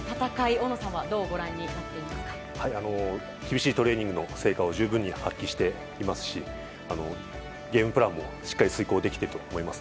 大野さんはどうご覧になっていますか。厳しいトレーニングの成果を十分に発揮していますしゲームプランもしっかり遂行できていると思います。